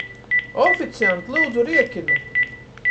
Oficiant, lyudzu, riekinu!